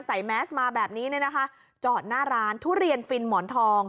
แมสมาแบบนี้เนี่ยนะคะจอดหน้าร้านทุเรียนฟินหมอนทอง